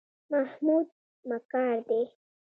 محمود مکار دی.